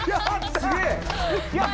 すげえ！